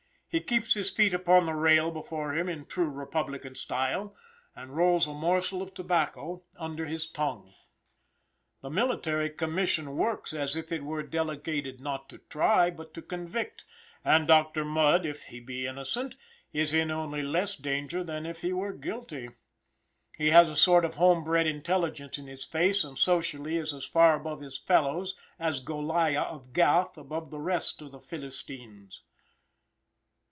He keeps his feet upon the rail before him in true republican style, and rolls a morsel of tobacco under his tongue. The military commission works as if it were delegated not to try, but to convict, and Dr. Mudd, if he be innocent, is in only less danger than if he were guilty. He has a sort of home bred intelligence in his face, and socially is as far above his fellows as Goliah of Gath above the rest of the Philistines.